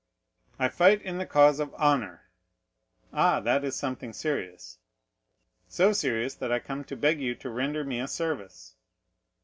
"I fight in the cause of honor." "Ah, that is something serious." "So serious, that I come to beg you to render me a service."